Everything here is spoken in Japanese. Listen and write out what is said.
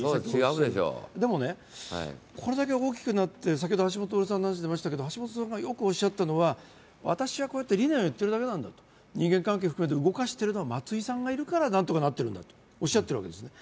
でもね、これだけ大きくなって、橋下さんがよくおっしゃったのは私はこうやって理念を言っているだけなんだと人間関係を含めて動かしているのは松井さんがいるから、なんとかなっているんだとおっしゃっているわけですね。